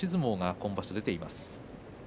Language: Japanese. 今場所、出ています。